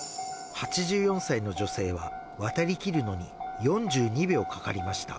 ８４歳の女性は、渡りきるのに４２秒かかりました。